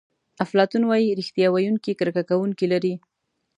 افلاطون وایي ریښتیا ویونکی کرکه کوونکي لري.